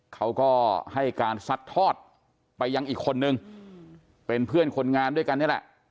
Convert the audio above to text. เขาก็ให้การซัดทอดไปยังอีกคนนึงเป็นเพื่อนคนงานด้วยกันนี่แหละ